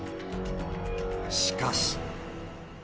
しかし。